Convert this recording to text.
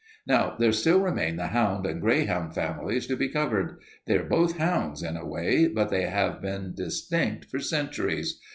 "Now there still remain the hound and greyhound families to be covered. They are both hounds, in a way, but they have been distinct for centuries.